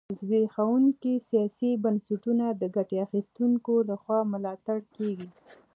زبېښونکي سیاسي بنسټونه د ګټه اخیستونکو لخوا ملاتړ کېږي.